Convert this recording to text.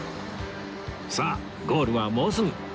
さあゴールはもうすぐ